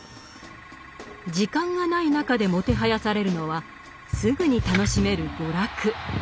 時間がない中でもてはやされるのはすぐに楽しめる娯楽。